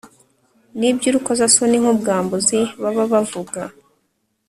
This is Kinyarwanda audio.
ni byurukozasoni nku bwambuzi baba bavuga